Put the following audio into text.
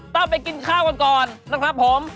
ต้องไปกินข้าวกันก่อนนะครับผม